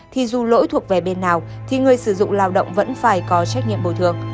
thì dù lỗi thuộc về bên nào thì người sử dụng lao động vẫn phải có trách nhiệm bồi thường